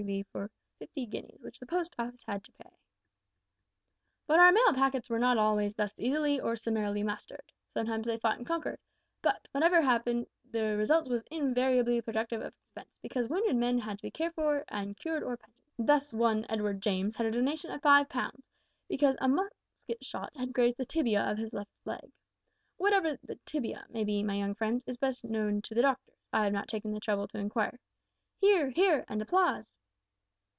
V. for fifty guineas, which the Post Office had to pay! "But our mail packets were not always thus easily or summarily mastered. Sometimes they fought and conquered, but, whatever happened, the result was invariably productive of expense, because wounded men had to be cared for and cured or pensioned. Thus one Edward James had a donation of 5 pounds, because `a musket shot had grazed the tibia of his left leg.' What the tibia may be, my young friends, is best known to the doctors I have not taken the trouble to inquire!" (Hear, hear, and applause.)